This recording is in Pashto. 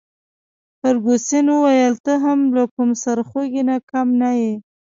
فرګوسن وویل: ته هم له کوم سرخوږي نه کم نه يې.